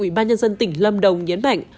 ubnd tỉnh lâm đồng nhấn mạnh